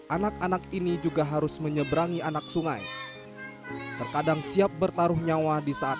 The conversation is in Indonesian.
anak anak ini juga harus menyeberangi anak sungai terkadang siap bertaruh nyawa di saat